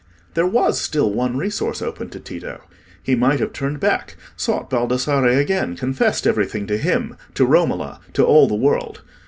There was still one resource open to Tito. He might have turned back, sought Baldassarre again, confessed everything to him—to Romola—to all the world.